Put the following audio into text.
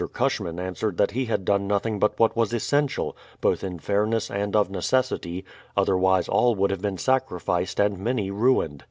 Cushman answered that he had done nothing but what was essential, both in fairness and of necessity, otherwise all would have been sacrificed and many ruined.